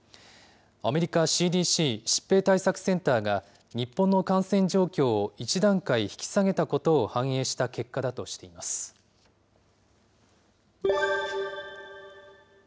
アメリカＣＤＣ・疾病対策センターが日本の感染状況を１段階引き下げたことを反映した結果だとしています。